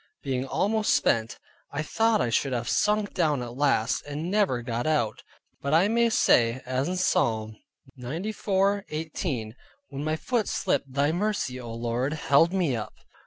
Being almost spent, I thought I should have sunk down at last, and never got out; but I may say, as in Psalm 94.18, "When my foot slipped, thy mercy, O Lord, held me up."